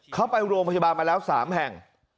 เข้าไปโรงพยาบาลมาแล้ว๓แห่ง